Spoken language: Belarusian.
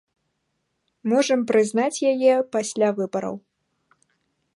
Можам прызнаць яе пасля выбараў.